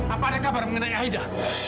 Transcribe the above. apa ada kabar mengenai aida